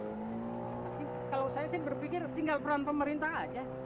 tapi kalau saya sih berpikir tinggal peran pemerintah aja